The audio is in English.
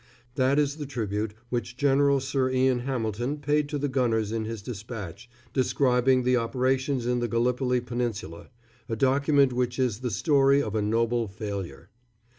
That is the tribute which General Sir Ian Hamilton paid to the gunners in his despatch describing the operations in the Gallipoli Peninsula a document which is the story of a noble failure.